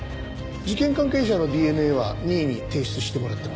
事件関係者のＤＮＡは任意に提出してもらってます。